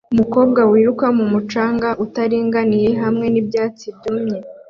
Umukobwa wiruka mu mucanga utaringaniye hamwe n'ibyatsi byumye